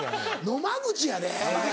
野間口やで。